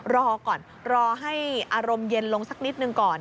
รอก่อนรอให้อารมณ์เย็นลงสักนิดหนึ่งก่อน